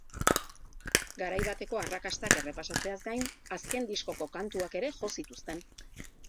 Garai bateko arrakastak errepasatzeaz gain, azken diskoko kantuak ere jo zituzten.